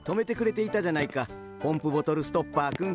ポンプボトルストッパーくん。